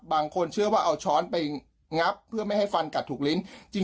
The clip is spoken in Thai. บางคนเชื่อว่าเอาช้อนไปงับเพื่อไม่ให้ฟันกัดถูกลิ้น